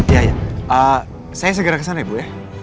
iya ya saya segera kesana ya bu ya